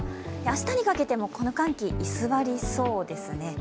明日にかけてもこの寒気は居座りそうですね。